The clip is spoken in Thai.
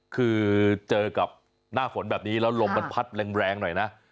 คือเจอกับหน้าฝนแบบนี้แล้วลมมันพัดแรงหน่อยนะ